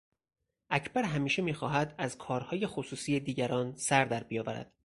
اکبر همیشه میخواهد از کارهای خصوصی دیگران سر در بیاورد.